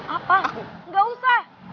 apa gak usah